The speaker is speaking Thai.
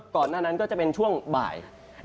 ก่อนหน้านั้นก็จะเป็นช่วงบ่าย